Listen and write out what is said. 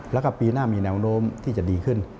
แล้วก็ปีหน้ามีแนวโน้มที่จะดีขึ้น